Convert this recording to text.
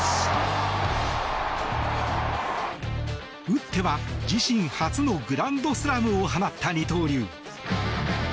打っては自身初のグランドスラムを放った二刀流。